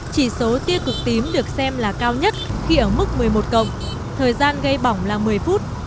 chỉ số tia cực tím được xem là cao nhất khi ở mức một mươi một cộng thời gian gây bỏng là một mươi phút